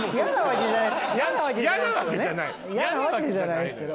嫌なわけじゃないんですけど。